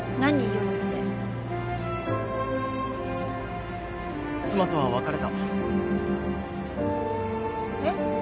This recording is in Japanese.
用って妻とは別れたえっ？